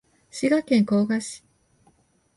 滋賀県甲賀市